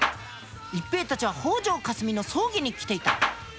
一平たちは北條かすみの葬儀に来ていた。